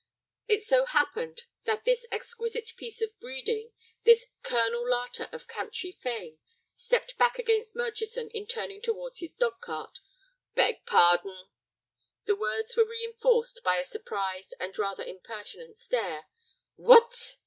It so happened that this exquisite piece of "breeding," this Colonel Larter of county fame, stepped back against Murchison in turning towards his dog cart. "Beg pardon." The words were reinforced by a surprised and rather impertinent stare. "What!"